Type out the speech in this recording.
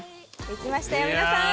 できましたよ皆さん。